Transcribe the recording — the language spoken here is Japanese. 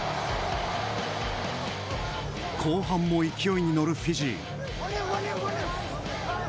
後半も勢いに乗るフィジー。